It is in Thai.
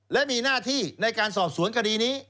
และมีหน้าที่ในการสอบสวนคดีนี้